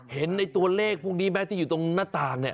เห็นในตัวเลขพวกนี้ไหมที่อยู่ตรงหน้าต่างเนี่ย